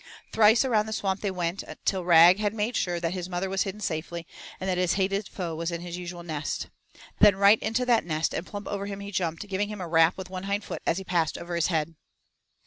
Thrice around the Swamp they went till Rag had made sure that his mother was hidden safely and that his hated foe was in his usual nest. Then right into that nest and plump over him he jumped, giving him a rap with one hind foot as he passed over his head.